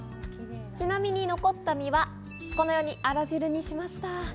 ちなみに残った身は、このようにあら汁にしました。